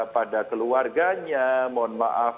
pada keluarganya mohon maaf